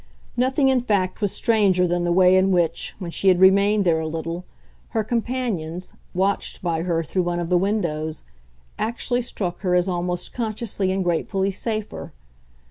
Nothing in fact was stranger than the way in which, when she had remained there a little, her companions, watched by her through one of the windows, actually struck her as almost consciously and gratefully safer.